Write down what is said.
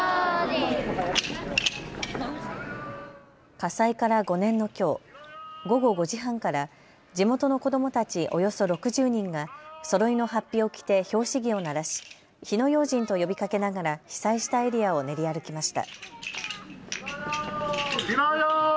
火災から５年のきょう、午後５時半から地元の子どもたち、およそ６０人が、そろいのはっぴを着て拍子木を鳴らし火の用心と呼びかけながら被災したエリアを練り歩きました。